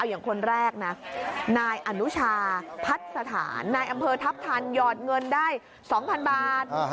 อย่างคนแรกนะนายอนุชาพัดสถานนายอำเภอทัพทันหยอดเงินได้๒๐๐๐บาท